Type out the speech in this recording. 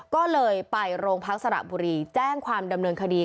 ก็เลยไปโรงพักสระบุรีแจ้งความดำเนินคดี